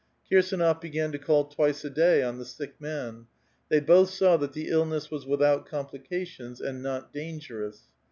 KirsAnof began to call twice a day on the sick man ; they both saw that the illness was without complications, and not dangerous.